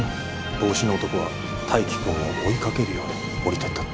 帽子の男は泰生君を追いかけるように降りてったって。